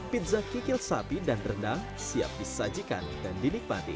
pizza kikil sapi dan rendang siap disajikan dan dinikmati